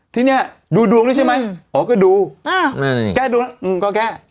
ทีนี้ดูดวงด้วยใช่ไหมอ๋อก็ดูอ่าแก้ดูแล้วอืมก็แก้